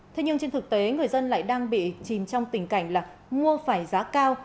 thế nhưng trên thực tế người dân lại đang bị chìm trong tình cảnh là mua phải giá cao